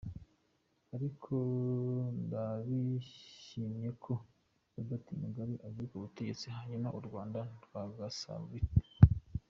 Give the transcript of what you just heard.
Ariko ndabishyimyeko Robert Mugabe avuye kubutegetsi Hanyuma Urwanda Rwagasabo bite?